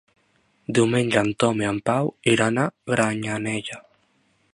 Diumenge en Tom i en Pau iran a Granyanella.